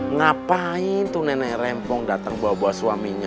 ngapain tuh nenek rempong datang bawa bawa suaminya